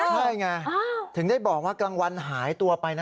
ใช่ไงถึงได้บอกว่ากลางวันหายตัวไปนะ